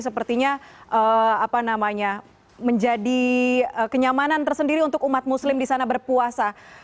sepertinya menjadi kenyamanan tersendiri untuk umat muslim di sana berpuasa